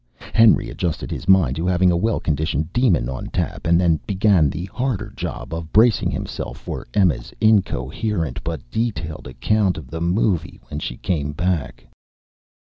Henry adjusted his mind to having a well conditioned demon on tap and then began the harder job of bracing himself for Emma's incoherent but detailed account of the movie when she came back.